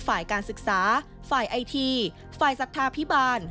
ฝ่ายการศึกษาฝ่ายไอทีฝ่ายศรัทธาพิบาล